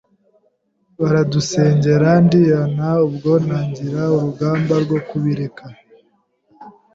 baradusengera ndihana ,ubwo ntangira urugamba rwo kubireka.